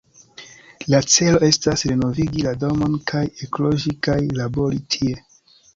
La celo estas renovigi la domon kaj ekloĝi kaj labori tie.